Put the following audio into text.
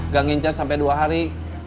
gak ngincar sampai dua hari